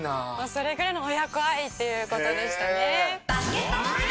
それぐらいの親子愛という事でしたね。